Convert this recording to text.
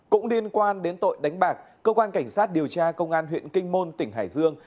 cũng liên quan đến tội đánh bạc cơ quan cảnh sát điều tra công an huyện kinh môn tỉnh hải dương